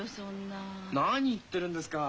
なに言ってるんですか。